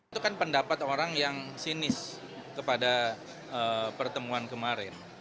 itu kan pendapat orang yang sinis kepada pertemuan kemarin